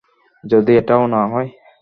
যদি এটাও না হয়।